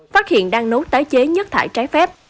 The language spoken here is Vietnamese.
phát hiện đang nấu tái chế nhất thải trái phép